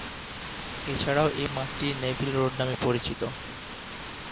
এছাড়াও, এ মাঠটি নেভিল রোড নামে পরিচিত।